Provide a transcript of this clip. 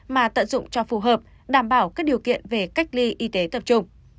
mà tận dụng cho phù hợp đảm bảo các điều kiện về cách ly y tế tập trung